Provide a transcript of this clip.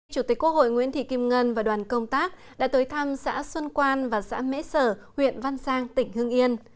chủ tịch quốc hội nguyễn thị kim ngân và đoàn công tác đã tới thăm xã xuân quan và xã mễ sở huyện văn giang tỉnh hưng yên